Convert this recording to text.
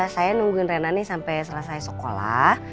saya nungguin rena nih sampai selesai sekolah